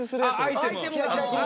アイテム。